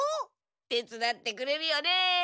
手つだってくれるよね？